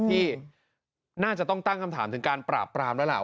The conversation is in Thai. ที่น่าจะต้องตั้งคำถามถึงการปราบปรามแล้วล่ะ